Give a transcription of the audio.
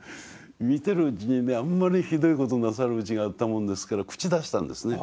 見てるうちにねあんまりひどいことなさるうちがあったもんですから口出したんですね。